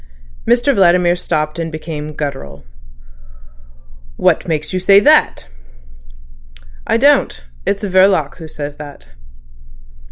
Mr Vladimir stopped, and became guttural. "What makes you say that?" "I don't. It's Verloc who says that."